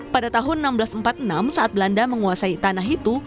pada tahun seribu enam ratus empat puluh enam saat belanda menguasai tanah itu